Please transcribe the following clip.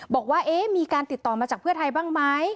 บอกว่ามีการติดต่อมาจากเพื่อไทยบ้างไหม